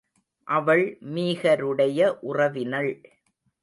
அவள் மீகருடைய உறவினள்.